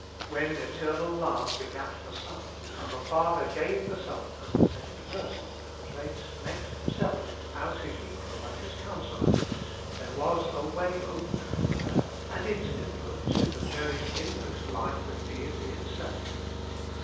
When eternal Love begat the Son, and the Father gave the Son as the Second Per son, a place next Himself as His Equal and His Counsellor, there was a way opened for prayer and its influence in the very inmost life of Deity itself.